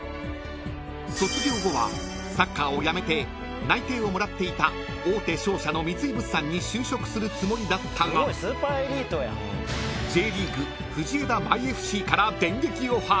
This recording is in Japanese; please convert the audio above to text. ［卒業後はサッカーをやめて内定をもらっていた大手商社の三井物産に就職するつもりだったがＪリーグ藤枝ＭＹＦＣから電撃オファー］